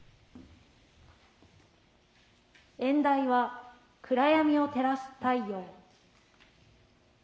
演題は「暗闇を照らす太陽」。